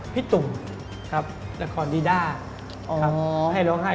พี่ตุ๋มครับรายคอนดีดาครับให้ร้องให้